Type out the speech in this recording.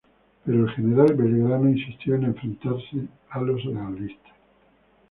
Pero el general Belgrano insistió en enfrentar a los realistas.